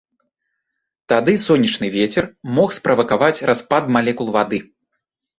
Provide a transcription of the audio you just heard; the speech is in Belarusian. Тады сонечны вецер мог справакаваць распад малекул вады.